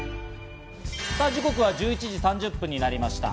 時刻は１１時３０分になりました。